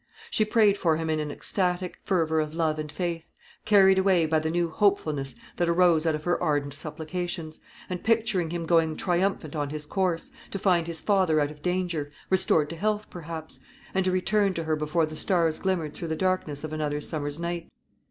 She prayed for him in an ecstatic fervour of love and faith, carried away by the new hopefulness that arose out of her ardent supplications, and picturing him going triumphant on his course, to find his father out of danger, restored to health, perhaps, and to return to her before the stars glimmered through the darkness of another summer's night.